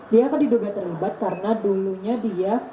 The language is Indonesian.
dia kan diduga terlibat karena dulunya dia